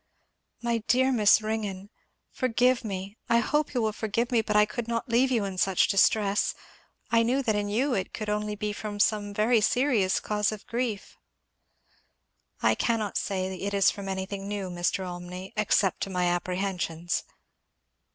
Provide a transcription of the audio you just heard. "My dear Miss Ringgan! forgive me I hope you will forgive me, but I could not leave you in such distress. I knew that in you it could only be from some very serious cause of grief." "I cannot say it is from anything new, Mr. Olmney except to my apprehensions."